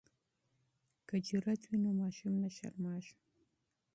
که جرات وي نو ماشوم نه شرمیږي.